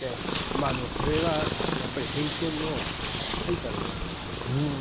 まあそれはやっぱり偏見の最たるものかもしれないですね。